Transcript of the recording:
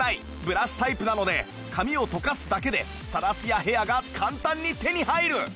ブラシタイプなので髪をとかすだけでサラツヤヘアが簡単に手に入る